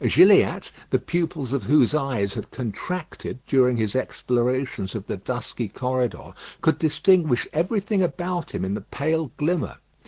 Gilliatt, the pupils of whose eyes had contracted during his explorations of the dusky corridor, could distinguish everything about him in the pale glimmer.